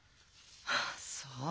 ああそう。